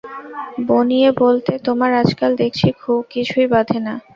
বানিয়ে বলতে তোমার আজকাল দেখছি কিছুই বাধে না।